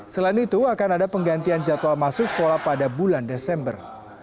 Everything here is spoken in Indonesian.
selain itu akan ada penggantian jadwal masuk sekolah pada bulan desember